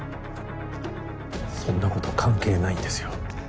そんなこと関係ないんですよ